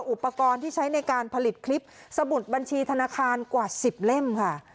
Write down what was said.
อุปกรณ์ที่ใช้ในการผลิตคลิปสมุดบัญชีธนาคารกว่า๑๐เล่มค่ะ